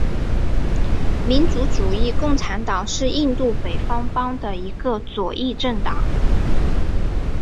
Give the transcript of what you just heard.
民族主义共产党是印度北方邦的一个左翼政党。